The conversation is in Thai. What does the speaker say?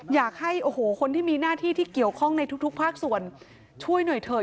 อยากให้โอ้โหคนที่มีหน้าที่ที่เกี่ยวข้องในทุกภาคส่วนช่วยหน่อยเถอะ